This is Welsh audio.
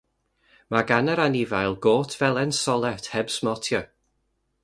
Mae gan yr anifail gôt felen solet heb smotiau.